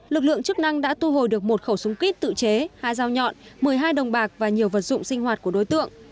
lực lượng chức năng đã thu hồi được một khẩu súng kíp tự chế hai dao nhọn một mươi hai đồng bạc và nhiều vật dụng sinh hoạt của đối tượng